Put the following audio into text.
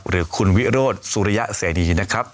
หรือคุณวิโรธสุริยะเสรีนะครับ